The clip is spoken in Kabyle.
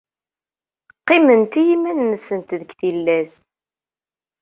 Qqiment i yiman-nsent deg tillas.